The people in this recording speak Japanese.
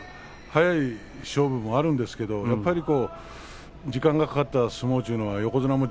速い勝負もあるんですけれどやっぱり時間がかかった相撲というのは横綱も